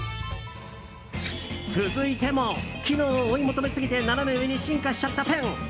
続いても、機能を追い求めすぎてナナメ上に進化しちゃったペン。